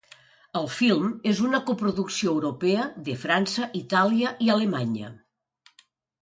El film és una coproducció europea de França, Itàlia i Alemanya.